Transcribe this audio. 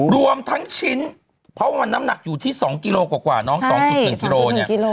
รวมทั้งชิ้นเพราะว่าน้ำหนักอยู่ที่๒กิโลกว่าน้อง๒๑กิโลเนี่ย